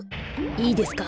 いいですか？